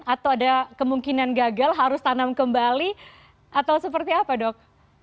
atau ada kemungkinan gagal harus tanam kembali atau seperti apa dok